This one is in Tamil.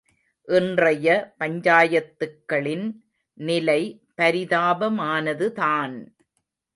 இன்றைய பஞ்சாயத்துக்களின் நிலை பரிதாபமானதுதான்!